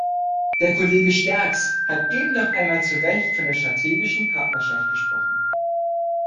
Der Kollege Sterckx hat eben noch einmal zu Recht von der strategischen Partnerschaft gesprochen.